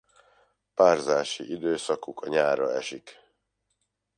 Párzási időszakuk a nyárra esik.